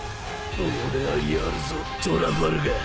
俺ぁやるぞトラファルガー。